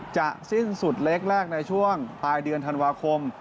สิ้นสุดเล็กแรกในช่วงปลายเดือนธันวาคม